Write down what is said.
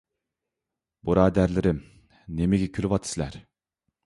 بۇرادەرلىرىم، نېمىگە كۈلۈۋاتىسىلەر؟